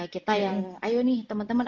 kita yang ayo nih teman teman